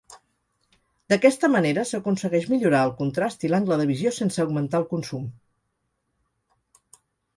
D'aquesta manera s'aconsegueix millorar el contrast i l'angle de visió sense augmentar el consum.